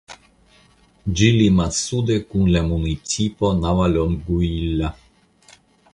Ĝi limas sude kun la municipo Navalonguilla.